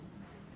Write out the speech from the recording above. sudah tidak ada